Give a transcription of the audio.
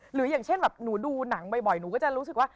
อย่างเช่นแบบหนูดูหนังบ่อยหนูก็จะรู้สึกว่า